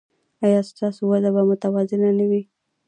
ایا ستاسو وده به متوازنه نه وي؟